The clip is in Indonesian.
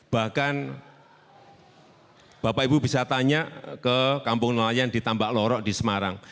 bahkan bapak ibu bisa tanya ke kampung nelayan di tambak lorok di semarang